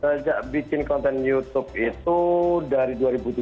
sejak bikin konten youtube itu dari dua ribu tujuh belas